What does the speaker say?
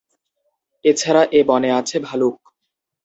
এছাড়া এ বনে আছে ভালুক।